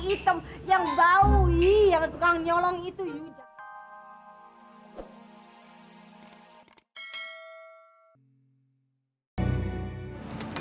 hitam yang bau yang suka nyolong itu yuk